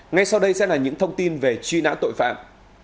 ngay sau đây sẽ là những thông tin về truy nã tội phạm